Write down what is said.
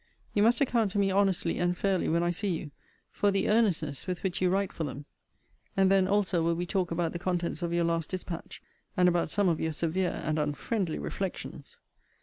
You must account to me honestly and fairly, when I see you, for the earnestness with which you write for them. And then also will we talk about the contents of your last dispatch, and about some of your severe and unfriendly reflections.